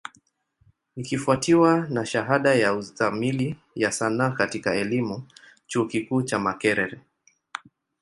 Ikifwatiwa na shahada ya Uzamili ya Sanaa katika elimu, chuo kikuu cha Makerere.